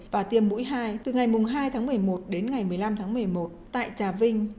và tiêm mũi hai từ ngày hai tháng một mươi một đến ngày một mươi năm tháng một mươi một tại trà vinh